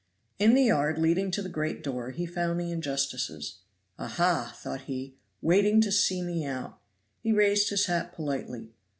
In the yard leading to the great door he found the injustices. Aha! thought he waiting to see me out. He raised his hat politely.